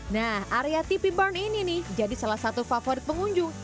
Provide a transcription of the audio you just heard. nah area tv barn ini nih jadi salah satu favorit pengunjung